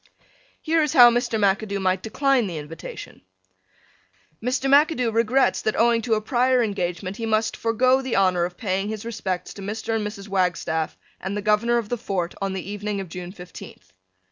Here is how Mr. McAdoo might decline the invitation: Mr. McAdoo regrets that owing to a prior engagement he must forego the honor of paying his respects to Mr. and Mrs. Wagstaff and the Governor of the Fort on the evening of June fifteenth.